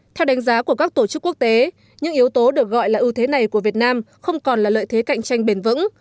theo đánh giá của các tổ chức quốc tế những yếu tố được gọi là ưu thế này của việt nam không còn là lợi thế cạnh tranh bền vững